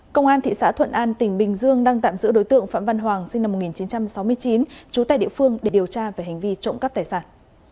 công an thị xã thuận an tỉnh bình dương đang tạm giữ đối tượng phạm văn hoàng sinh năm một nghìn chín trăm sáu mươi chín trú tại địa phương để điều tra về hành vi trộm cắp tài sản